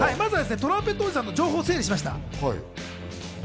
トランペットおじさんの情報を整理しました。